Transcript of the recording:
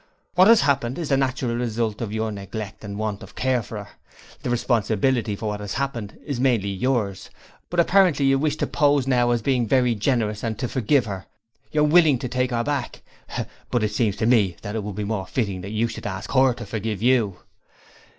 What has happened is the natural result of your neglect and want of care for her. The responsibility for what has happened is mainly yours, but apparently you wish to pose now as being very generous and to "forgive her" you're "willing" to take her back; but it seems to me that it would be more fitting that you should ask her to forgive you.'